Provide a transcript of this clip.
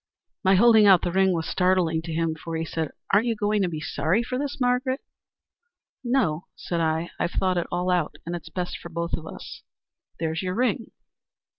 My holding out the ring was startling to him, for he said, 'Aren't you going to be sorry for this, Margaret?' 'No,' said I, 'I've thought it all out, and it's best for both of us. There's your ring.'